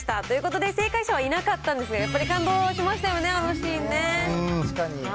ということで、正解者はいなかったんですが、やっぱり感動しましたよね、確かに。